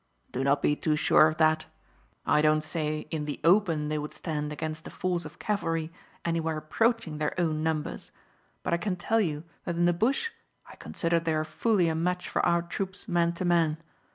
"Do not be too sure of that. I don't say in the open they would stand against a force of cavalry anywhere approaching their own numbers, but I can tell you that in the bush I consider they are fully a match for our troops man to man.